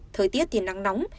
thời tiết thì nắng nóng